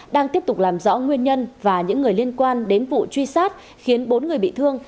đang tiếp tục làm rõ nguyên nhân và những người liên quan đến vụ truy sát khiến bốn người bị thương